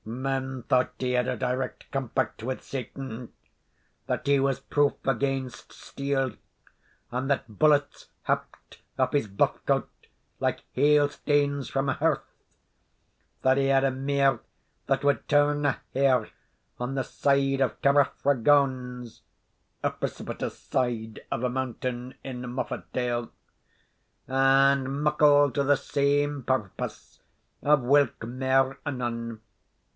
Men thought he had a direct compact with Satan; that he was proof against steel, and that bullets happed aff his buff coat like hailstanes from a hearth; that he had a mear that would turn a hare on the side of Carrifra gauns (a precipitous side of a mountain in Moffatdale); and muckle to the same purpose, of whilk mair anon.